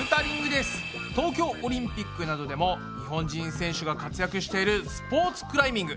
東京オリンピックなどでも日本人選手が活躍しているスポーツクライミング。